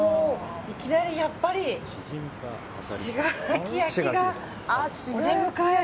いきなりやっぱり信楽焼がお出迎え。